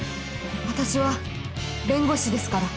私は弁護士ですから。